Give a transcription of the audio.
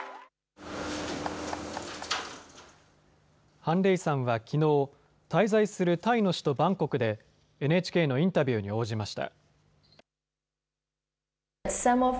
ハン・レイさんはきのう、滞在するタイの首都バンコクでＮＨＫのインタビューに応じました。